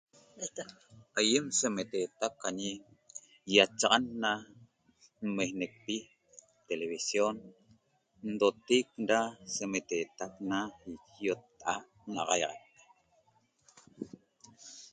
Aýem semeteetac añi ýachaxan na nmejnecpi televisión ndoteec da semeteetac na ýotta'a't n'axaiaxac